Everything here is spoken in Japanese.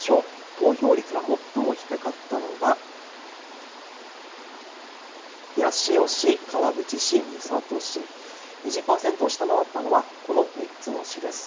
投票率が最も低かったのは、八潮市、川口市、三郷市２０％を下回ったのはこの３つの市です。